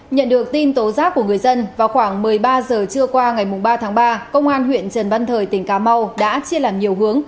nhận được tin tố giác của người dân vào khoảng một mươi ba giờ trưa qua ngày ba tháng ba công an huyện trần văn thời tỉnh cà mau đã chia làm nhiều hướng